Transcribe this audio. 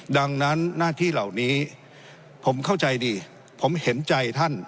ดังนั้นหน้าที่เหล่านี้ผมเข้าใจดีผมเห็นใจท่าน